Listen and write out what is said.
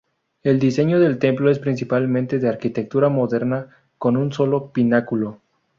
El diseño del templo es principalmente de arquitectura moderna con un solo pináculo.